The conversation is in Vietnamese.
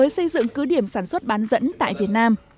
xây dựng cứ điểm sản xuất bán dẫn tại việt nam